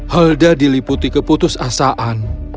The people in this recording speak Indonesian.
helda diliputi keputus asaan